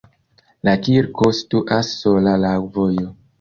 La kirko situas sola laŭ vojo.